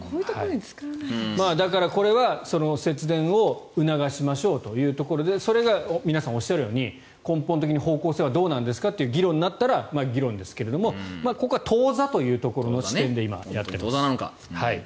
だからこれは節電を促しましょうということでそれが皆さんおっしゃるように根本的に方向性はどうなんですかという議論になったら、議論ですがここは当座というところの視点で今、やっています。